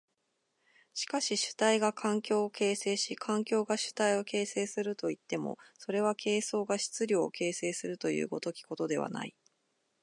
しかし主体が環境を形成し環境が主体を形成するといっても、それは形相が質料を形成するという如きことではない。